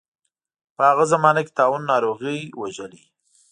په هغه زمانه کې طاعون ناروغۍ وژلي.